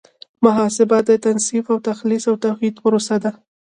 محاسبه د تنصیف او تخلیص او توحید پروسه ده.